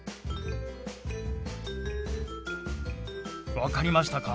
分かりましたか？